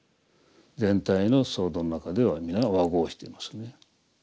全体の僧堂の中では皆和合していますね。